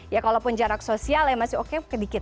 ya kalaupun jarak sosial ya masih oke sedikit